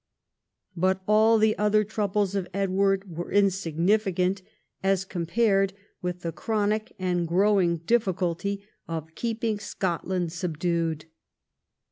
But all the other troubles of Edward were insignificant as compared with the chronic and growing difficulty of keeping Scotland subdued.